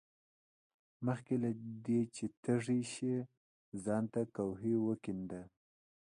مخکې له دې چې تږي شې ځان ته کوهی وکیندئ.